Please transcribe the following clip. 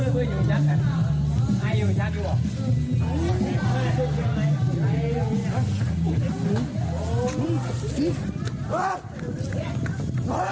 พี่เอาล่ะเอาล่ะเอาล่ะ